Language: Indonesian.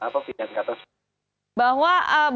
penggunaan bahasa dan pilihan kata